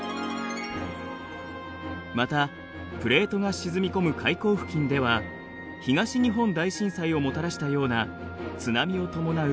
またプレートが沈み込む海溝付近では東日本大震災をもたらしたような津波を伴う巨大地震が発生します。